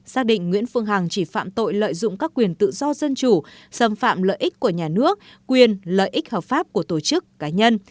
xác định nguyễn phương hằng chỉ phạm tội lợi dụng các quyền tự do dân chủ xâm phạm lợi ích của nhà nước quyền lợi ích hợp pháp của tổ chức cá nhân